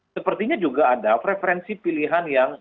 sepertinya juga ada preferensi pilihan yang